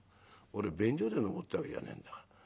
「俺便所で飲もうってわけじゃねえんだから。